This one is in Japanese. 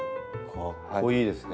かっこいいですね。